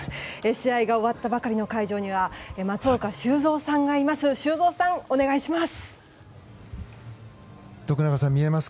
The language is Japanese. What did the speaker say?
試合が終わったばかりの会場には松岡修造さんがいます。